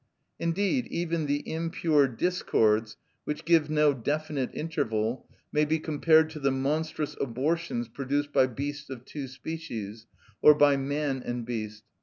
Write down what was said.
Indeed, even the impure discords, which give no definite interval, may be compared to the monstrous abortions produced by beasts of two species, or by man and beast.